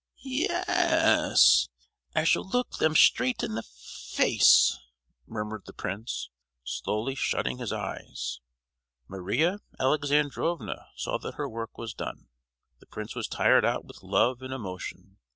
"Ye—yes; I shall look them straight in the f—ace!" murmured the prince, slowly shutting his eyes. Maria Alexandrovna saw that her work was done: the prince was tired out with love and emotion.